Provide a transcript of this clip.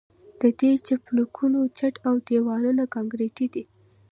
د دې پلچکونو چت او دیوالونه کانکریټي دي